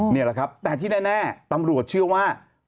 นี่แหละครับแต่ที่แน่ตำรวจเชื่อว่า